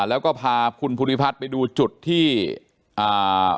แล้วก็พาคุณภูริพัฒน์ไปดูจุดที่อ่า